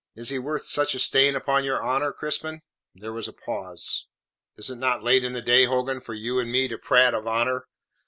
"Is he worth such a stain upon your honour, Crispin?" There was a pause. "Is it not late in the day, Hogan, for you and me to prate of honour?"